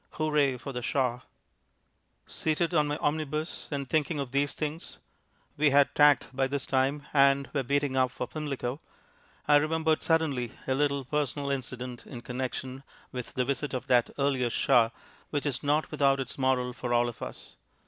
"Hooray for the Shah!" Seated on my omnibus, and thinking of these things (we had tacked by this time, and were beating up for Pimlico) I remembered suddenly a little personal incident in connexion with the visit of that earlier Shah which is not without its moral for all of us.